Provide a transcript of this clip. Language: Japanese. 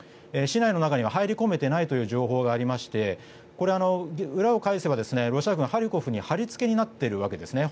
市内の中には入り込めていないという情報がありましてこれは裏を返せばロシア軍ハリコフに張りつけになっているわけです。